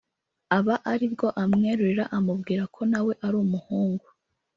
aba ari bwo amwerurira amubwira ko na we ari umuhungu